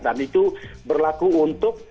dan itu berlaku untuk